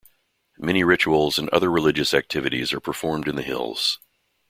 Many rituals and other religious activities are performed in the hills.